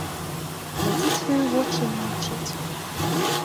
Глядзіць ёй у вочы і маўчыць.